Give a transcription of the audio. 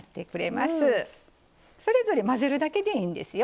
それぞれ混ぜるだけでいいんですよ。